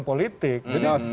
itu pasti terkait dengan politik